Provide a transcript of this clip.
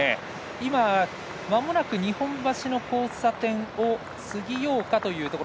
今、まもなく日本橋の交差点を過ぎようかというところ。